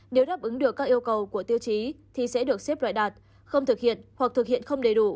nếu đáp ứng được các yêu cầu của tiêu chí thì sẽ được xếp loại đạt không thực hiện hoặc thực hiện không đầy đủ